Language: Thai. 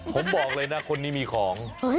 ผมบอกเลยนะคนนี้มีของ